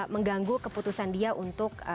mengganggu keputusan dia untuk